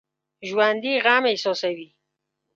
ژوندي غم احساسوي